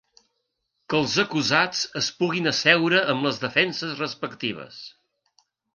Que els acusats es puguin asseure amb les defenses respectives.